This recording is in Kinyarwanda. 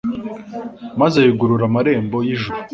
maze yugurura amarembo y'ijuru